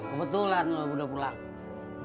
bob kebetulan lo udah pulang